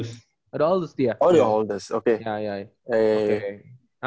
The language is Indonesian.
nah berarti adik adik lo sekarang basket juga atau enggak